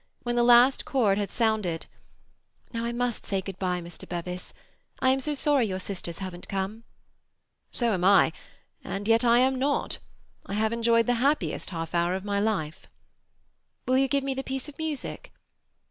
When the last chord had sounded,— "Now I must say good bye, Mr. Bevis. I am so sorry your sisters haven't come." "So am I—and yet I am not. I have enjoyed the happiest half hour of my life." "Will you give me the piece of music?"